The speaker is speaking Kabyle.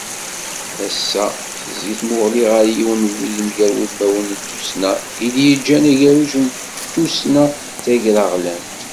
Ass-a, tezzi tmuɣli ɣer yiwen n wudem gar wudmawen n tussna, i d-yeǧǧan agerruj i tussna tagraɣlant.